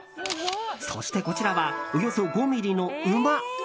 そして、こちらはおよそ５ｍｍの馬。